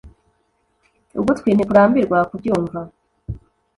ugutwi ntikurambirwa kubyumva